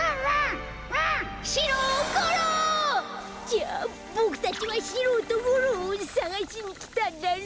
じゃあボクたちはシローとゴローをさがしにきたんだね？